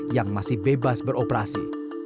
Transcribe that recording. yang masih bebas beroperasi